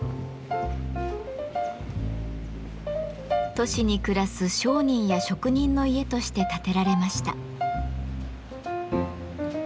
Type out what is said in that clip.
都市に暮らす商人や職人の家として建てられました。